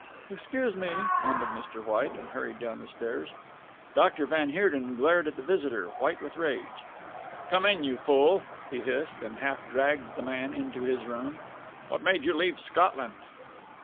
"Excuse me," mumbled Mr. White, and hurried down the stairs. Dr. van Heerden glared at the visitor, white with rage. "Come in, you fool!" he hissed, and half dragged the man into his room, "what made you leave Scotland?"